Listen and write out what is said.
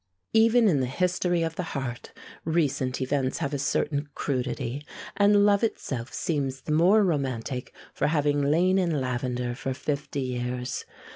Even in the history of the heart recent events have a certain crudity, and love itself seems the more romantic for having lain in lavender for fifty years.